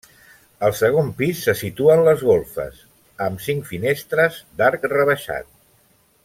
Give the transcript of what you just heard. Al segon pis se situen les golfes, amb cinc finestres d'arc rebaixat.